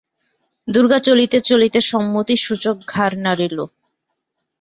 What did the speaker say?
দুর্গা চলিতে চলিতে সম্মতিসূচক ঘাড় নাড়িল।